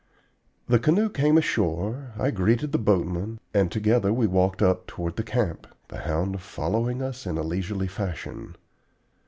The canoe came ashore, I greeted the boatman, and together we walked up toward the camp, the hound following us in a leisurely fashion.